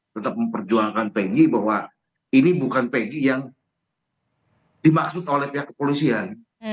tetap memperjuangkan pegi bahwa ini bukan pegi yang dimaksud oleh pihak kepolisian